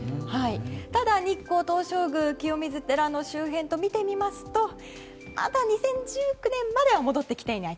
ただ日光東照宮、清水寺周辺を見てみますとまだ２０１９年までは戻ってきていない。